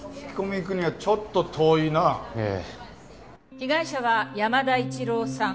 被害者は山田一郎さん